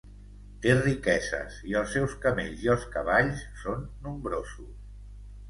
Té riqueses i els seus camells i els cavalls són nombrosos.